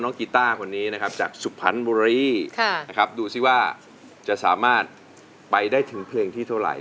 กีต้าคนนี้นะครับจากสุพรรณบุรีนะครับดูสิว่าจะสามารถไปได้ถึงเพลงที่เท่าไหร่